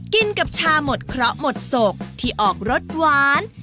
กินกับชาหมดเคราะห์หมดโศกที่ออกรสหวาน